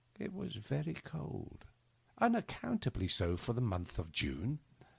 It was very cold — ^unac countably so for the month of June.